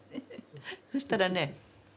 そしたらね